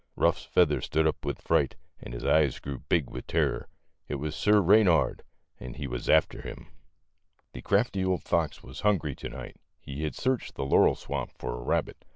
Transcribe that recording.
Ruff's feathers stood up with fright and his eyes grew big with terror : it was Sir Reynard, and he was after him. The crafty old fox was hungry to night. He had searched the laurel swamp for a rabbit, 122 THE LITTLE FORESTERS.